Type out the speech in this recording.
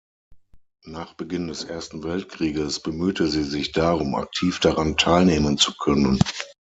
Nach Beginn des Ersten Weltkrieges bemühte sie sich darum, aktiv daran teilnehmen zu können.